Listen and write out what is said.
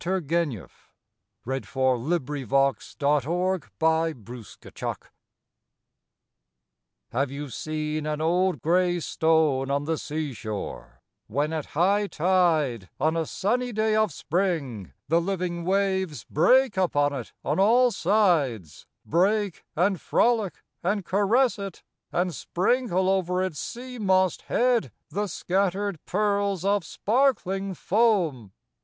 Dec, 1878. 304 POEMS IN PROSE n [1879 1882] THE STONE Have you seen an old grey stone on the sea shore, when at high tide, on a sunny day of spring, the living waves break upon it on all sides — break and frolic and caress it — and sprinkle over its sea mossed head the scattered pearls of sparkling foam